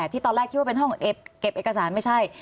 ที่ตอนแรกคิดว่าเป็นห้องเก็บเอกสารไม่ใช่